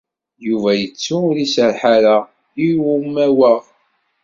Yuba yettu ur iserreḥ ara i umawaɣ.